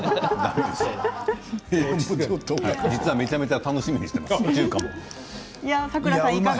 めちゃめちゃ中華も楽しみにしています。